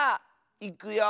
いくよ。